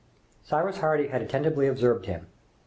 Cyrus Harding had attentively observed him.